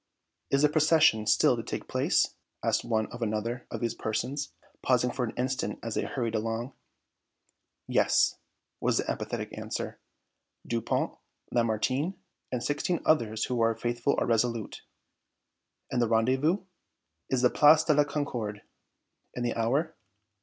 "Is the procession still to take place?" asked one of another of these persons, pausing for an instant as they hurried along. "Yes!" was the emphatic answer. "Dupont, Lamartine and the sixteen others who are faithful are resolute." "And the rendezvous?" "Is the Place de La Concorde." "And the hour?"